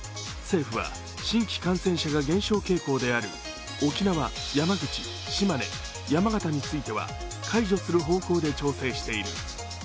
政府は新規感染者が減少傾向である沖縄、山口、島根、山形については、解除する方向で調整している。